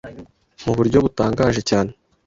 mu buryo butangaje cyane